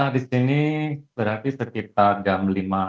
disini berarti sekitar jam lima tiga puluh sembilan